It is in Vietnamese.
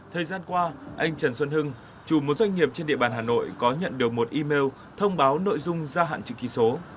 thời gian qua anh trần xuân hưng chủ một doanh nghiệp trên địa bàn hà nội có nhận được một email thông báo nội dung gia hạn chữ ký số